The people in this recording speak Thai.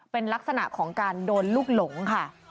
เป็นลักษณะของการโดนลูกหลงค่ะ